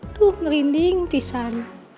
aduh merinding pisang